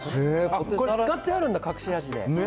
これ、使ってあるんだ、隠し味で。